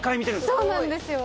そうなんですよ。